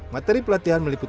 materi pelatihan melibatkan